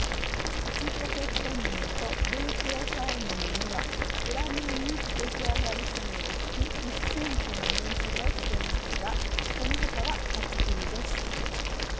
内ポケット布とループ押さえ布には裏面に出来上がり線を引き１ｃｍの縫い代をつけますがその他は裁ち切りです。